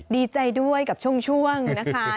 ดีใจด้วยกับช่วงนะคะ